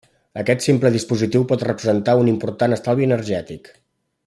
Aquest simple dispositiu pot representar un important estalvi energètic.